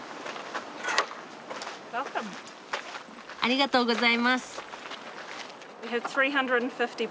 ありがとうございます。